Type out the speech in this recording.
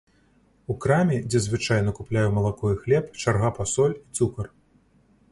У краме, дзе звычайна купляю малако і хлеб, чарга па соль і цукар.